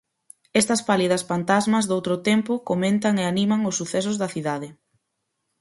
Estas pálidas pantasmas doutro tempo comentan e animan os sucesos da cidade.